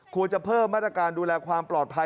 ควรจะเพิ่มมาตรการดูแลความปลอดภัย